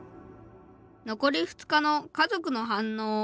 「残り二日の家族の反応。